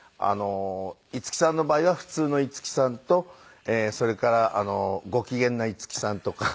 五木さんの場合は普通の五木さんとそれからご機嫌な五木さんとか。